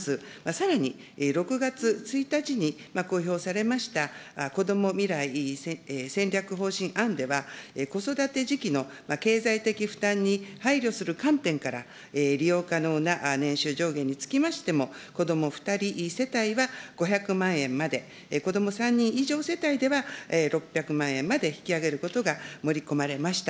さらに、６月１日に公表されました、こども未来戦略方針案では、子育て時期の経済的負担に配慮する観点から、利用可能な年収上限につきましても、子ども２人世帯は５００万円まで、子ども３人以上世帯では６００万円まで引き上げることが盛り込まれました。